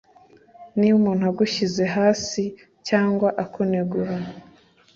niba umuntu agushize hasi cyangwa akunegura